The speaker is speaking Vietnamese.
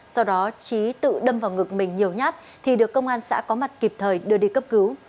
do đó trí tự đâm vào ngực mình nhiều nhát thì được công an xã có mặt kịp thời đưa đi cấp cứu